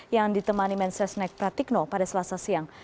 yang ditemani mensesnek pratikno pada selasa siang